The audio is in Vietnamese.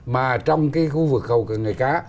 mà trong cái khu vực hậu cận nghề cá